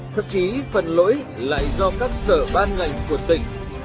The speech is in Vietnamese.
thậm chí phần lỗi lại do các sở ban ngành của tỉnh